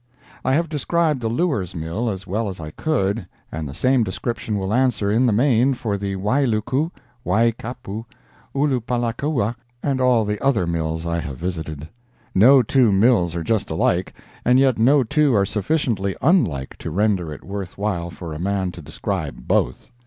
I have described the Lewers mill as well as I could, and the same description will answer, in the main, for the Wailuku, Waikapu, Ulupalakua and all the other mills I have visited. No two mills are just alike, and yet no two are sufficiently unlike to render it worthwhile for a man to describe both.